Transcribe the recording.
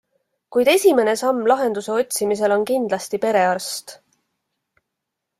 Kuid esimene samm lahenduse otsimisel on kindlasti perearst.